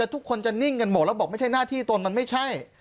ทุกคนจะนิ่งกันหมดแล้วบอกไม่ใช่หน้าที่ตนมันไม่ใช่